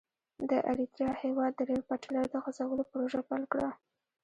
د اریتریا هېواد د ریل پټلۍ د غزولو پروژه پیل کړه.